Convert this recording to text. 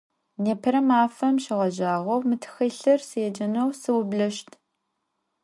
Nêpere mafem şêğejağeu mı txılhır sêceneu sıubleşt.